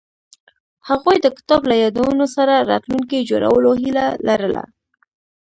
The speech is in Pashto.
هغوی د کتاب له یادونو سره راتلونکی جوړولو هیله لرله.